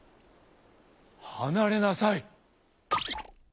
はなれなさい！」。